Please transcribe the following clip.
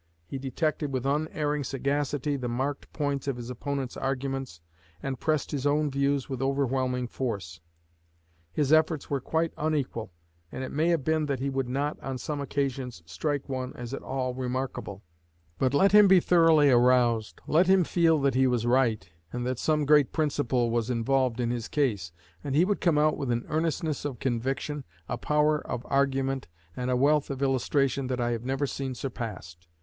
He detected with unerring sagacity the marked points of his opponents' arguments, and pressed his own views with overwhelming force. His efforts were quite unequal, and it may have been that he would not on some occasions strike one as at all remarkable; but let him be thoroughly aroused, let him feel that he was right and that some great principle was involved in his case, and he would come out with an earnestness of conviction, a power of argument, and a wealth of illustration, that I have never seen surpassed....